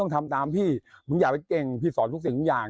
ทำตามพี่มึงอยากไปเก่งพี่สอนทุกสิ่งทุกอย่าง